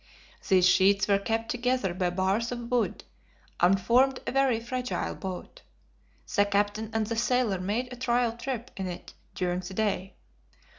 These sheets were kept together by bars of wood, and formed a very fragile boat. The captain and the sailor made a trial trip in it during the day.